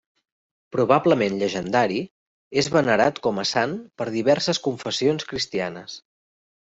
Probablement llegendari, és venerat com a sant per diverses confessions cristianes.